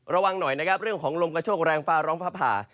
ระวังหน่อยเรื่องของลมกระโชคแรงฟ้าร้องภาพ่า